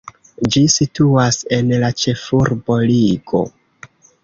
Ĝi situas en la ĉefurbo Rigo.